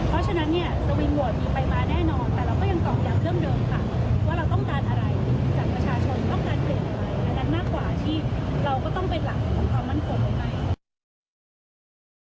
ฟังตัวข้าม